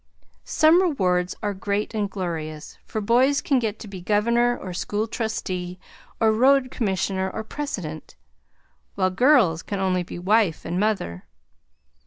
Some rewards are great and glorious, for boys can get to be governor or school trustee or road commissioner or president, while girls can only be wife and mother.